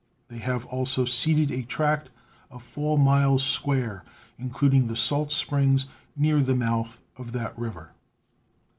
They have also ceded a tract of 4 miles square, including the salt springs near the mouth of that river.